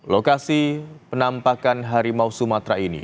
lokasi penampakan harimau sumatera ini